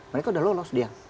mereka udah lolos dia